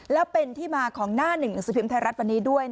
และเป็นที่มาของหน้าหนึ่งสภิมธ์ไทยรัฐวันนี้ด้วย